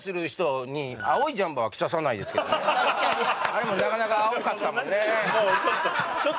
あれもなかなか青かったもんね